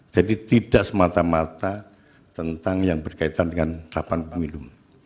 jadi tidak semata mata tentang yang berkaitan dengan tahapan pemilu